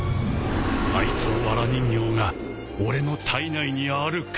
あいつのわら人形が俺の体内にある限りな。